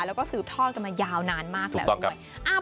แล้วก็สืบทอดกันมายาวนานมากแล้วด้วยถูกต้องครับ